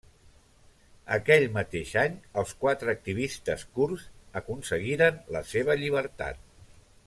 Aquell mateix any els quatre activistes kurds aconseguiren la seva llibertat.